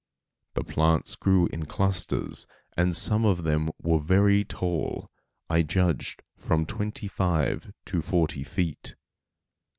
The plants grew in clusters, and some of them were very tall, I judged from twenty five to forty feet.